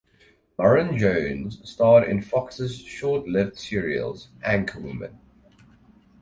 Lauren Jones starred in Fox's short lived series "Anchorwoman".